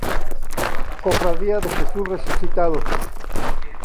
Cofradía de Jesús Resucitado.